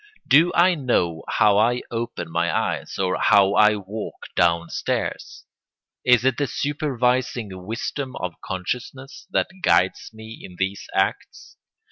Do I know how I open my eyes or how I walk down stairs? Is it the supervising wisdom of consciousness that guides me in these acts?